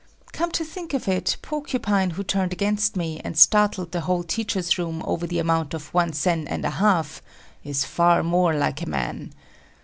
Come to think of it, Porcupine who turned against me and startled the whole teachers' room over the amount of one sen and a half is far more like a man.